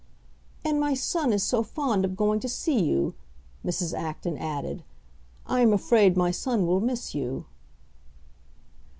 "And my son is so fond of going to see you," Mrs. Acton added. "I am afraid my son will miss you."